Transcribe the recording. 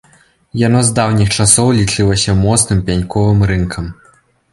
Яно з даўніх часоў лічылася моцным пяньковым рынкам.